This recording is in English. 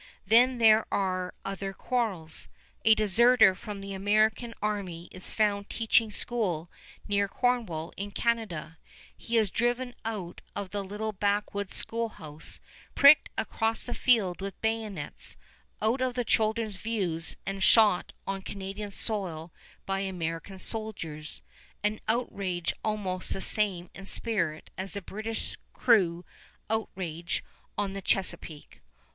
Then there are other quarrels. A deserter from the American army is found teaching school near Cornwall in Canada. He is driven out of the little backwoods schoolhouse, pricked across the field with bayonets, out of the children's view, and shot on Canadian soil by American soldiers, an outrage almost the same in spirit as the British crew's outrage on the Chesapeake.